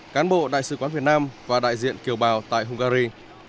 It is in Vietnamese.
cán bộ đại sứ quán việt nam và đại diện kiều bào tại hungary